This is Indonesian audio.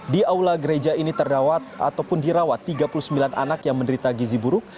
di aula gereja ini terdapat ataupun dirawat tiga puluh sembilan anak yang menderita gizi buruk